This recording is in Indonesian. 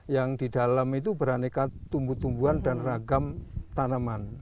yang didalam itu beraneka tumbuh tumbuhan dan ragam tanaman